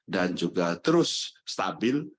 dan juga terus stabil